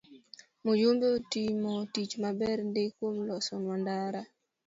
Mjumbe otimo tich maber ndii kuom loso nwa ndara